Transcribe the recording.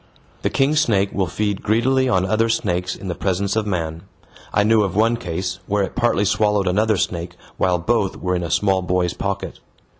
The king snake will feed greedily on other snakes in the presence of man I knew of one case where it partly swallowed another snake while both were in a small boy's pocket.